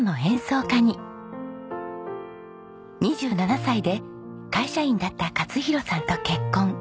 ２７歳で会社員だった勝広さんと結婚。